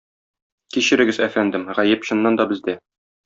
Кичерегез, әфәндем, гаеп чыннан да бездә